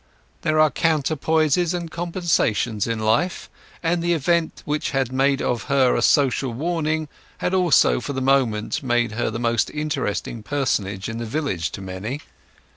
There are counterpoises and compensations in life; and the event which had made of her a social warning had also for the moment made her the most interesting personage in the village to many.